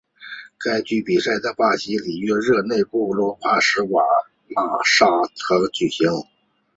该届比赛在巴西里约热内卢的科帕卡瓦纳沙滩举行。